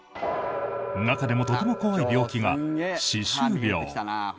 中でも、とても怖い病気が歯周病。